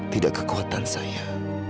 tidak kekuatan saya